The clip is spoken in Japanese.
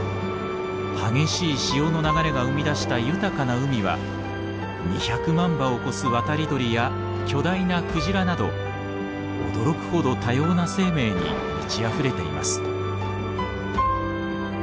激しい潮の流れが生み出した豊かな海は２００万羽を超す渡り鳥や巨大なクジラなど驚くほど多様な生命に満ちあふれています。